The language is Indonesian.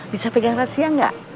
bisa pegang rahasia gak